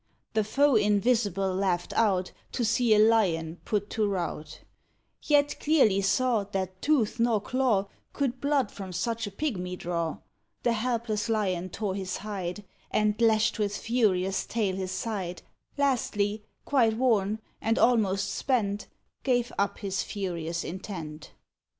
The foe invisible laughed out, To see a Lion put to rout; Yet clearly saw That tooth nor claw Could blood from such a pigmy draw. The helpless Lion tore his hide, And lashed with furious tail his side; Lastly, quite worn, and almost spent, Gave up his furious intent.